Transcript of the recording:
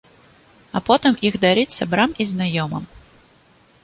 А потым іх дарыць сябрам і знаёмым.